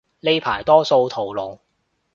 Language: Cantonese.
呢排多數屠龍